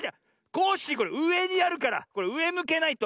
コッシーこれうえにあるからこれうえむけないと。